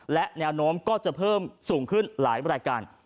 และแนวโน้มก็จะเพิ่มสูงขึ้นหลายรายการ